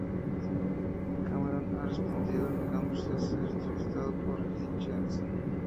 Cameron ha respondido negándose a ser entrevistado por Hitchens.